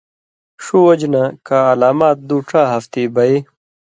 ݜُو وجہۡ نہ کہ علامات دُو ڇا ہفتی بئ